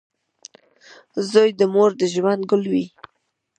• زوی د مور د ژوند ګل وي.